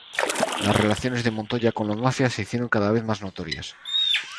Las relaciones de Montoya con la mafia se hicieron cada vez más notorias.